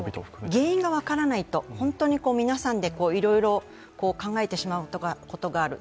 原因が分からないと、皆さんでいろいろ考えてしまうことがある。